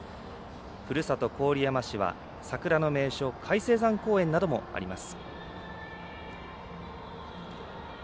ふるさと郡山市は桜の名所などもあります。